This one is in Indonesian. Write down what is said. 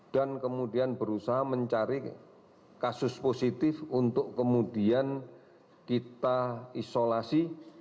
dan kemudian berusaha mencari kasus positif untuk kemudian kita isolasi